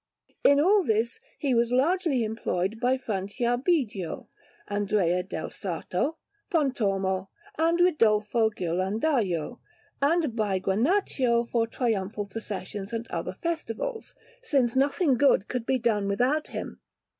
In all this he was largely employed by Franciabigio, Andrea del Sarto, Pontormo, and Ridolfo Ghirlandajo, and by Granaccio for triumphal processions and other festivals, since nothing good could be done without him.